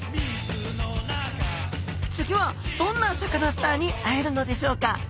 次はどんなサカナスターに会えるのでしょうか？